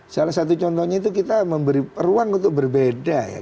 salah satu contohnya itu kita memberi ruang untuk berbeda ya